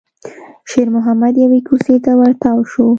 شېرمحمد يوې کوڅې ته ور تاو شو.